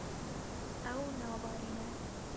Ew nabarîne.